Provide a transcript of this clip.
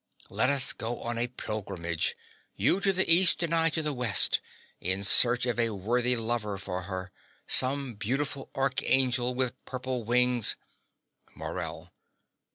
Let us go on a pilgrimage, you to the east and I to the west, in search of a worthy lover for her some beautiful archangel with purple wings MORELL.